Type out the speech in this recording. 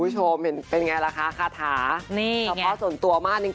สิ่งปักนะ